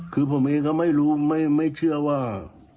คือผมเองก็ไม่รู้ไม่เชื่อว่า